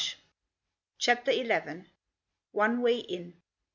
CHAPTER XL ONE WAY IN.